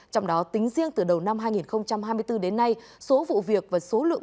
trong đó tính riêng từ đầu năm hai nghìn hai mươi bốn đến nay số vụ việc và số lượng